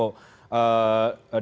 dibentuk pansus kelangkan minyak goreng